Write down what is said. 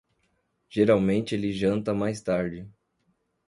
Geralmente ele janta mais tarde.